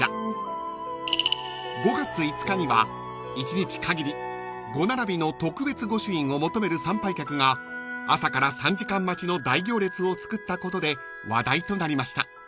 ［５月５日には一日限り５並びの特別御朱印を求める参拝客が朝から３時間待ちの大行列を作ったことで話題となりました］